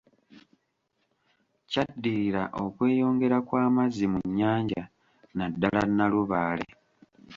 Kyaddirira okweyongera kwa amazzi mu nnyanja naddala Nalubaale